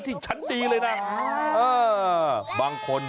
ที่นี่มันเสาครับ